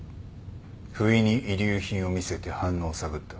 不意に遺留品を見せて反応を探った。